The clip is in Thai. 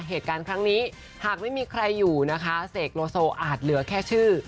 เหตุการณ์ครั้งนี้หากไม่มีใครอยู่นะคะเสกโลโซอาจเหลือแค่ชื่อ